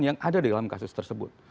yang ada dalam kasus tersebut